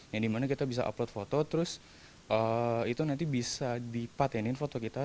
yang dimana kita bisa upload foto terus itu nanti bisa dipatenin foto kita